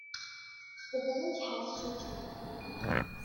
The village has two churches.